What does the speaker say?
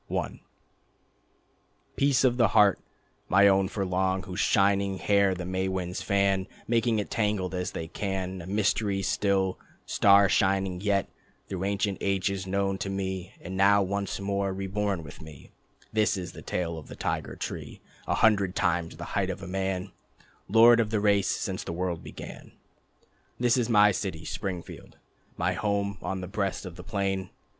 I Peace of the Heart, my own for long, Whose shining hair the May winds fan, Making it tangled as they can, A mystery still, star shining yet, Through ancient ages known to me And now once more reborn with me: This is the tale of the Tiger Tree A hundred times the height of a man, Lord of the race since the world began. This is my city Springfield, My home on the breast of the plain.